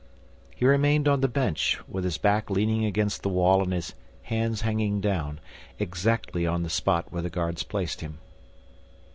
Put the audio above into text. He remained on the bench, with his back leaning against the wall and his hands hanging down, exactly on the spot where the guards placed him.